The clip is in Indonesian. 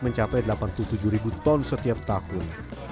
mencapai delapan puluh tujuh ribu ton setiap tahun